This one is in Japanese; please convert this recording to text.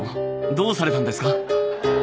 どうされたんですか？